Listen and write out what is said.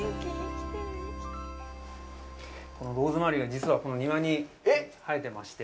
このローズマリーが実はこの庭に生えてまして。